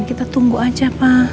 kita tunggu aja pa